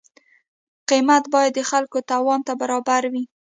قیمت باید د خلکو توان ته برابر وي.